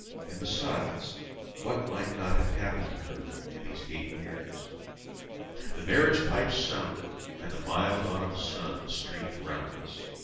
And besides, what might not have happened to her in these eight years? The marriage pipes sounded, and the mild autumn sun streamed round us.